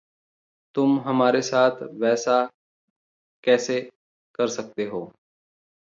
तुम हमारे साथ वैसा कैसे कर सकते हो?